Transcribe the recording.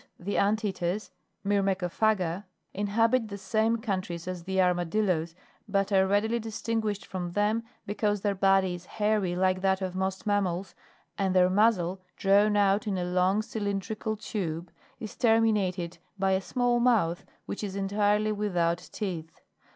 The ANT EATPRS, Myrmecoplwya, inhabit the same countries as the armadillos, but are readily distinguished from them, because their body is hairy like that of most mammals, and their muzzle, drawn out in a long cylindrical tube, is terminated by a small mouth, which is entirely without teeth.